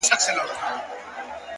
د حقیقت منل عقل ته ځواک ورکوي!